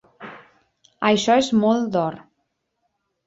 Això és molt d'or.